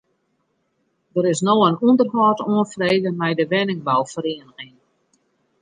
Der is no in ûnderhâld oanfrege mei de wenningbouferieniging.